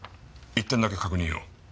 １点だけ確認を。